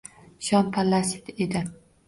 Shom pallasi edi.